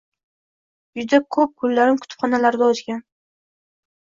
Juda koʻp kunlarim kutubxonalarda oʻtgan.